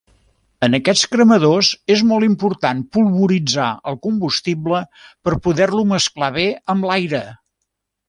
En aquests cremadors és molt important polvoritzar el combustible per poder-lo mesclar bé amb l'aire.